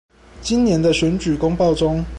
今年的選舉公報中